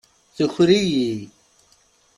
Tuker-iyi.